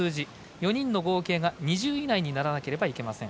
４人の合計が２０以内にならなければいけません。